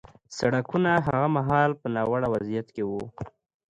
سړکونه هغه مهال په ناوړه وضعیت کې وو